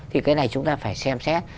thì cái này chúng ta phải xem xét